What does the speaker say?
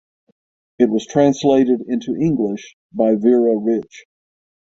It was translated into English by Vera Rich.